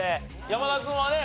山田君はね